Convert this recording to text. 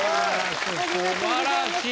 すばらしい。